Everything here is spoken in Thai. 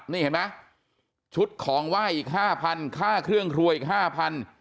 นี่เห็นไหมชุดของไหว้อีกห้าพันค่าเครื่องครัวอีกห้าพัน